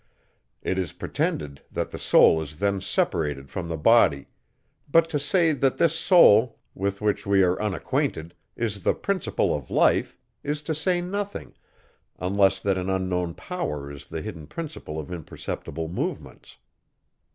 It is pretended, that the soul is then separated from the body; but to say, that this soul, with which we are unacquainted, is the principle of life, is to say nothing, unless that an unknown power is the hidden principle of imperceptible movements.